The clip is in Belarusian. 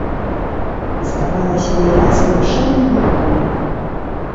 Здавалася няясным, шэрым клубком.